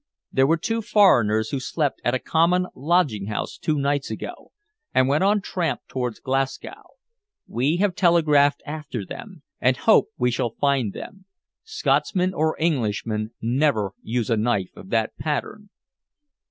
There were two foreigners who slept at a common lodging house two nights ago and went on tramp towards Glasgow. We have telegraphed after them, and hope we shall find them. Scotsmen or Englishmen never use a knife of that pattern."